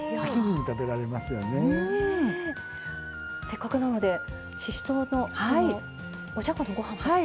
せっかくなのでししとうのおじゃこのご飯も。